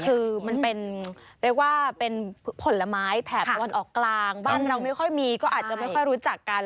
คือมันเป็นเรียกว่าเป็นผลไม้แถบตะวันออกกลางบ้านเราไม่ค่อยมีก็อาจจะไม่ค่อยรู้จักกัน